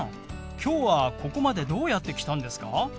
今日はここまでどうやって来たんですか？